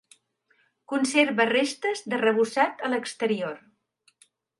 Conserva restes d'arrebossat a l'exterior.